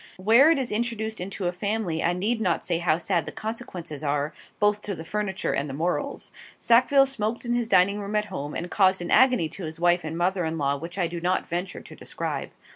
Where it is introduced into a family I need not say how sad the consequences are, both to the furniture and the morals. Sackville smoked in his dining room at home, and caused an agony to his wife and mother in law which I do not venture to describe.